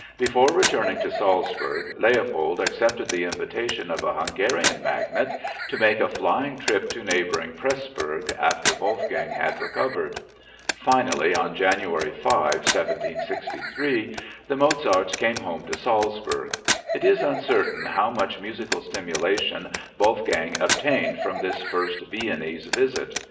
Before returning to Salzburg, Leopold accepted the invitation of a Hungarian magnate to make a flying trip to neighboring Pressburg after Wolfgang had recovered. Finally, on January 5, 1763, the Mozarts came home to Salzburg. It is uncertain how much musical stimulation Wolfgang obtained from this first Viennese visit.